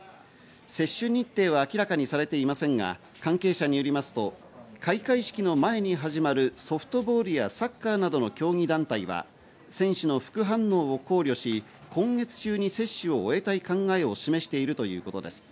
接種日程は明らかにされていませんが、関係者によりますと開会式の前に始まるソフトボールやサッカーなどの競技団体は選手の副反応を考慮し、今月中に接種を終えたい考えを示しているということです。